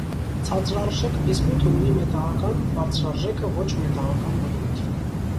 Ցածրարժեք բիսմութը ունի մետաղական, բարձրարժեքը՝ ոչ մետաղական բնույթ։